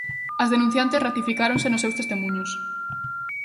As denunciantes ratificáronse nos seus testemuños.